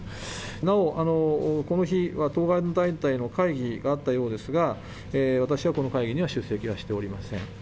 なおこの日は、当該団体の会議があったようですが、私はこの会議には出席はしておりません。